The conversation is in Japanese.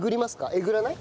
えぐらない？